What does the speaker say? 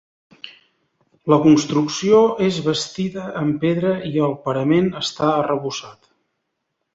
La construcció és bastida amb pedra i el parament està arrebossat.